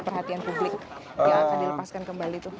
perhatian publik yang akan dilepaskan kembali itu